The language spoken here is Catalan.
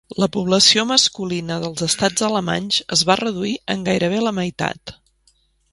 La població masculina dels estats alemanys es va reduir en gairebé la meitat.